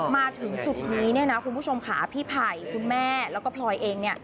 มาถึงจุดนี้คุณผู้ชมค่ะพี่ไผ่คุณแม่แล้วก็พลอยเอง